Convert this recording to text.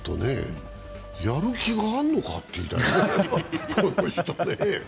やる気があんのかって言いたい、この人ね。